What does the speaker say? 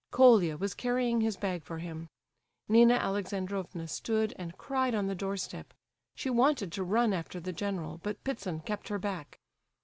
Colia was carrying his bag for him; Nina Alexandrovna stood and cried on the doorstep; she wanted to run after the general, but Ptitsin kept her back.